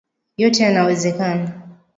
Yote yanawezekana .